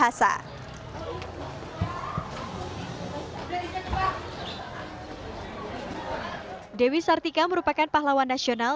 ketika berada di kota bandung dewi sartika menerima pahlawan nasional